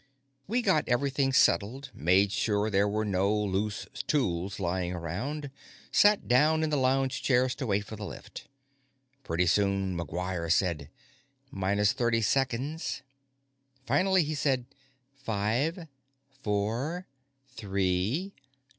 We got everything settled, made sure there were no loose tools lying around, and sat down in the lounge chairs to wait for the lift. Pretty soon, McGuire said: "Minus thirty seconds." Finally, he said "Five ... four ... three